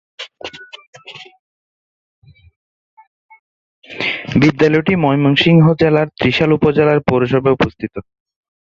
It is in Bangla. বিদ্যালয়টি ময়মনসিংহ জেলার ত্রিশাল উপজেলার পৌরসভায় অবস্থিত।